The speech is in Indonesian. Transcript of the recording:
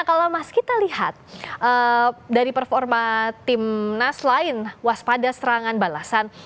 kalau mas kita lihat dari performa timnas lain waspada serangan balasan